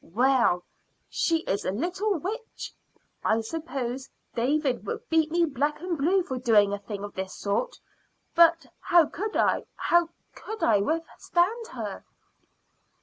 Well, she is a little witch. I suppose Dave would beat me black and blue for doing a thing of this sort. But how could I how could I withstand her?"